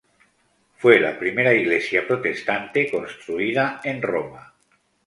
Fue la primera iglesia protestante construida en Roma.